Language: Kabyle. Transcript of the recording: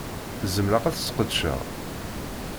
Zemreɣ ad t-sqedceɣ?